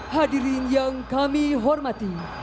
hadirin yang kami hormati